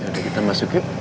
yaudah kita masuk yuk